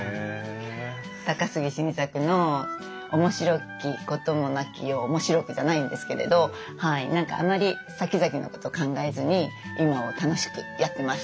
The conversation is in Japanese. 高杉晋作の「おもしろきこともなき世をおもしろく」じゃないんですけれどはい何かあんまりさきざきのこと考えずに今を楽しくやってます。